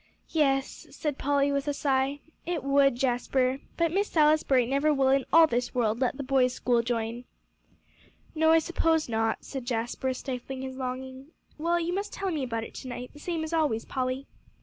"Yes," said Polly, with a sigh, "it would, Jasper. But Miss Salisbury never will in all this world let the boys' school join." "No, I suppose not," said Jasper, stifling his longing; "well, you must tell me about it to night, the same as always, Polly."